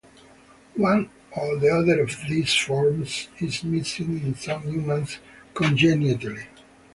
One or the other of these forms is missing in some humans congenitally.